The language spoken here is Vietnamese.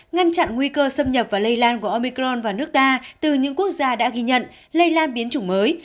ngăn chặn nguy cơ xâm nhập và lây lan của omicron vào nước ta từ những quốc gia đã ghi nhận lây lan biến chủng mới